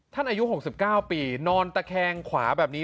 อายุ๖๙ปีนอนตะแคงขวาแบบนี้